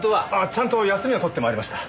ちゃんと休みを取って参りました。